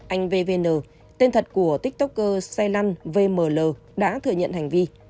anh vvn tên thật của tiktoker sai lăn vml đã thừa nhận hành vi